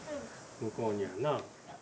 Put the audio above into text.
向こうにはな。